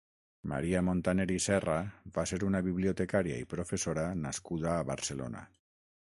Maria Montaner i Serra va ser una bibiotecària i professora nascuda a Barcelona.